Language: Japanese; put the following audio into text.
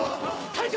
隊長！